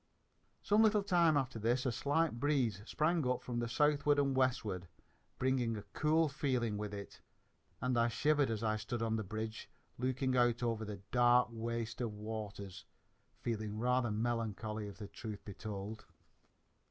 Some little while after this a slight breeze sprang up from the southward and westward, bringing a cool feeling with it, and I shivered as I stood on the bridge looking out over the dark waste of waters, feeling rather melancholy, if the truth be told.